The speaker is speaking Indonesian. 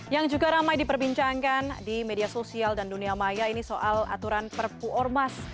yang juga ramai diperbincangkan di media sosial dan dunia maya ini soal aturan perpu ormas